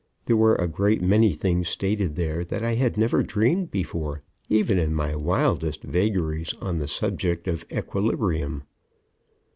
There were a great many things stated there that I had never dreamed before, even in my wildest vagaries on the subject of equilibrium.